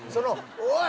「おい！